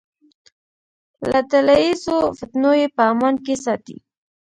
له ډله ییزو فتنو یې په امان کې ساتي.